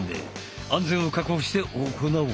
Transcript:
安全を確保して行おう。